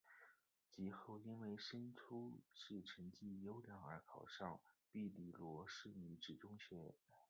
及后因为升中试成绩优良而考上庇理罗士女子中学。